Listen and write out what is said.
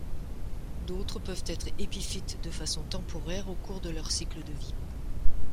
D'autres peuvent être épiphytes de façon temporaire au cours de leur cycle de vie.